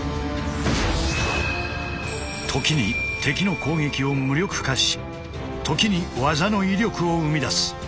時に敵の攻撃を無力化し時に技の威力を生み出す。